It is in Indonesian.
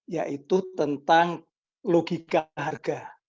yaitu tentang logika harga